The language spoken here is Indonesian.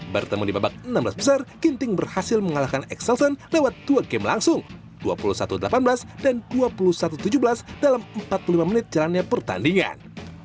bertemu di babak enam belas besar ginting berhasil mengalahkan exelsen lewat dua game langsung dua puluh satu delapan belas dan dua puluh satu tujuh belas dalam empat puluh lima menit jalannya pertandingan